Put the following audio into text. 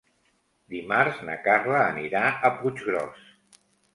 Dimarts na Carla anirà a Puiggròs.